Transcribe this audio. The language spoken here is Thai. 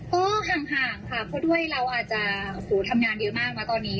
ก็ห่างค่ะเพราะด้วยเราอาจจะทำงานเยอะมากนะตอนนี้